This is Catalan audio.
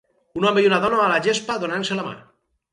Un home i una dona a la gespa donant-se la mà.